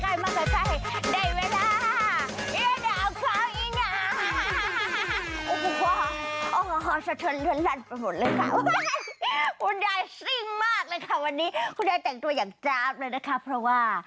อะไรกันคู่ได้ซิ่งมากนะคะวันนี้คุณได้แต่งตัวอย่างจาบเลยนะคะเพราะว่า